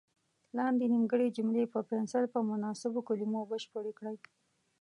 لاندې نیمګړې جملې په پنسل په مناسبو کلمو بشپړې کړئ.